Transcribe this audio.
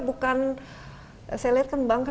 bukan saya lihat kan bangka